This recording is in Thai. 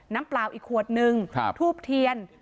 เปล่าอีกขวดนึงทูบเทียน